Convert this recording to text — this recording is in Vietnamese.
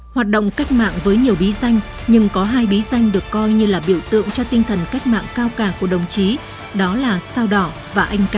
hoạt động cách mạng với nhiều bí danh nhưng có hai bí danh được coi như là biểu tượng cho tinh thần cách mạng cao cả của đồng chí đó là sao đỏ và anh ca